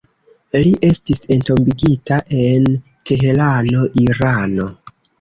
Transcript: Li estis entombigita en Teherano, Irano.